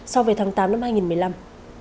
so với tháng tám năm hai nghìn một mươi năm